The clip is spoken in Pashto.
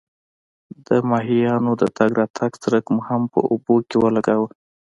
د ماهیانو د تګ راتګ څرک مو هم په اوبو کې ولګاوه.